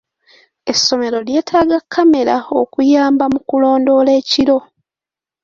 Essomero lyeetaaga kkamera okuyamba mu kulondoola ekiro.